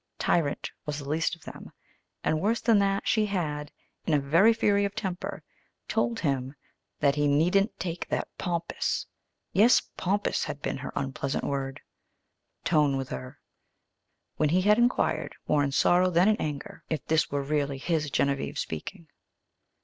"Tyrant" was the least of them, and, worse than that, she had, in a very fury of temper, told him that he "needn't take that pompous" yes, "pompous" had been her unpleasant word "tone" with her, when he had inquired, more in sorrow than in anger, if this were really his Genevieve speaking.